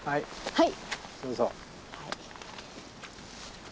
はい。